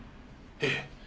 ええ。